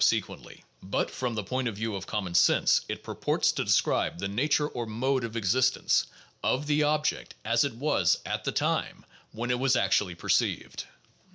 596 THE JOURNAL OF PHILOSOPHY sequently; but (from the point of view of common sense) it purports to describe the nature or mode of existence of the object as it was at the time when it was actually perceived.